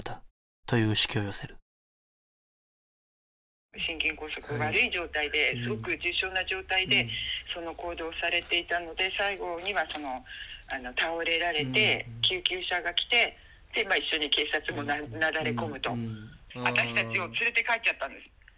しかし心筋梗塞悪い状態ですごく重症な状態で行動されていたので最後にはその倒れられて救急車が来てでまあ一緒に警察もなだれ込むと私達を連れて帰っちゃったんです